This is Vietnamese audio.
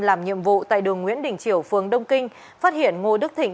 làm nhiệm vụ tại đường nguyễn đình triều phường đông kinh phát hiện ngô đức thịnh